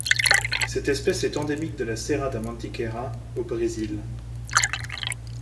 Cette espèce est endémique de la Serra da Mantiqueira au Brésil.